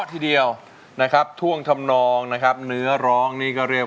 ที่ใจเป้าขอ